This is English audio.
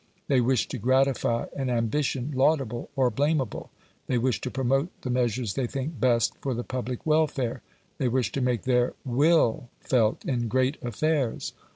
They wish to gratify an ambition laudable or blamable; they wish to promote the measures they think best for the public welfare; they wish to make their WILL felt in great affairs.